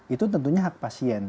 itu tentunya hak pasien